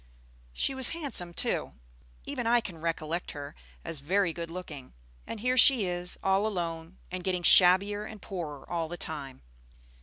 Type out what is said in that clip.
She was handsome, too. Even I can recollect her as very good looking. And here she is, all alone, and getting shabbier and poorer all the time.